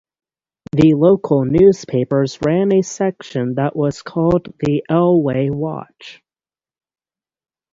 The local newspapers ran a section that was called The Elway Watch.